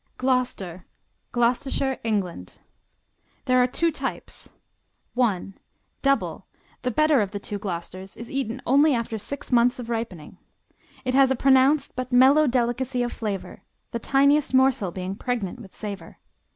Gloucester Gloucestershire, England There are two types: I. Double, the better of the two Gloucesters, is eaten only after six months of ripening. "It has a pronounced, but mellow, delicacy of flavor...the tiniest morsel being pregnant with savour.